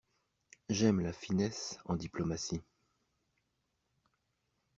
J'aime la finesse en diplomatie.